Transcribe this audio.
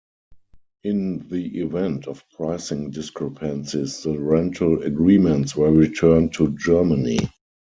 In the event of pricing discrepancies, the rental agreements were returned to Germany.